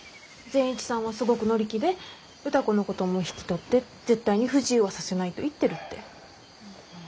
善一さんはすごく乗り気で歌子のことも引き取って絶対に不自由はさせないと言ってるって。